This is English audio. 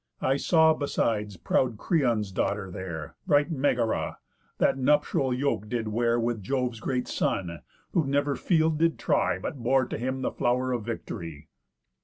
I saw, besides, proud Creon's daughter there, Bright Megara, that nuptial yoke did wear With Jove's great son, who never field did try But bore to him the flow'r of victory.